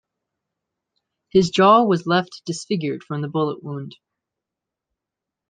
His jaw was left disfigured from the bullet wound.